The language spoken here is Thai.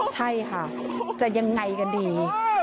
ใช่ค่ะจะยังไงกันดี